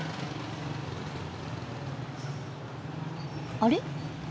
あれ？